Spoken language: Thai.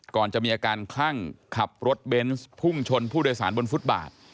ก่อนจะมีอาการคลั่งขับรถเบนส์พุ่งชนผู้โดยสารบนฟุตบาท